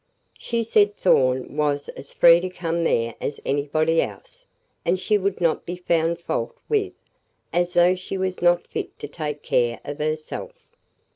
She said Thorn was as free to come there as anybody else, and she would not be found fault with, as though she was not fit to take care of herself."